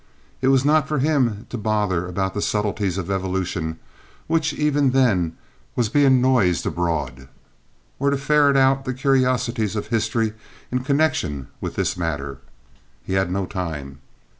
It was not for him to bother about the subtleties of evolution, which even then was being noised abroad, or to ferret out the curiosities of history in connection with this matter. He had no time.